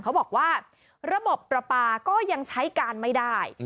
เขาบอกว่าระบบประปาก็ยังใช้การไม่ได้